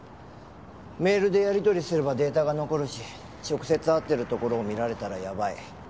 メールでやり取りすればデータが残るし直接会ってるところを見られたらやばい。